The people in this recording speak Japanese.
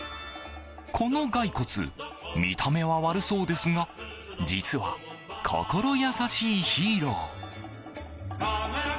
このガイコツ見た目は悪そうですが実は、心優しいヒーロー。